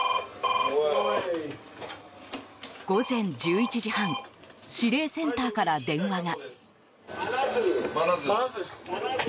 午前１１時半司令センターから電話が。